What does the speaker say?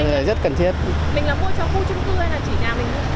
mình là mua cho khu chung cư hay là chỉ nhà mình mua